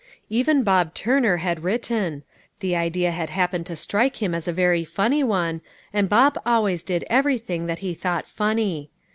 Even Bob Turner had written; the idea had happened to strike him as a very funny one, and Bob always did everything that he thought funny.